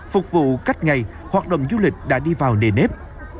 phục vụ cách ngày hoạt động du lịch đã đi vào nề nếp